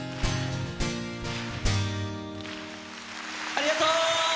ありがとう。